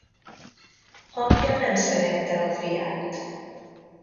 Apja nem szerette a fiát.